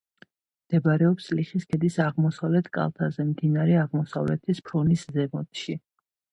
მდებარეობს ლიხის ქედის აღმოსავლეთ კალთაზე, მდინარე აღმოსავლეთის ფრონის ზემოთში.